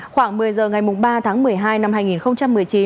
khoảng một mươi giờ ngày ba tháng một mươi hai năm hai nghìn một mươi chín